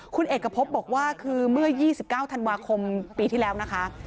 คุณเอกพบบอกว่าคือเมื่อ๒๙ธันวาคมปีที่แล้วนะคะ